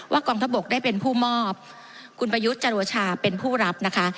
กองทัพบกได้เป็นผู้มอบคุณประยุทธ์จันโอชาเป็นผู้รับนะคะ